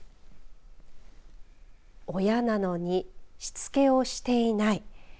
親なのにしつけをしていない。